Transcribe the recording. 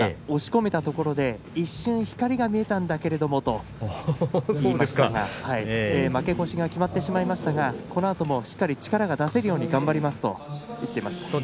押し込んだところで一瞬、光が見えたんだけれども負け越しが決まってしまいましたがこのあともしっかり力が出せるよう頑張りますと言っていました。